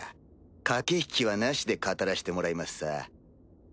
駆け引きはなしで語らしてもらいまっさ。